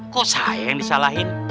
kok saya yang disalahin